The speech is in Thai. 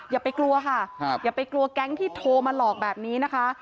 อย่าไปกลัวค่ะอย่าไปกลัวแก๊งที่โทรมาหลอกแบบนี้นะคะ